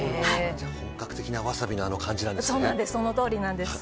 本格的なわさびの感じなんですね。